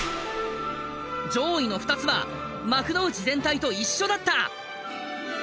上位の２つは幕内全体と一緒だった。